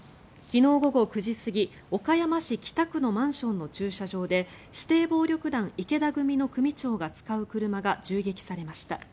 昨日午後９時過ぎ岡山市北区のマンションの駐車場で指定暴力団池田組の組長が使う車が銃撃されました。